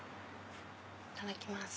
いただきます。